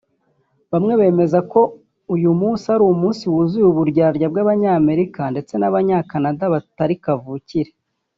Bamwe bemeza ko uyu munsi ari umunsi wuzuye “uburyarya” bw’Abanyamerika ndetse n’Abanya Canada batari kavukire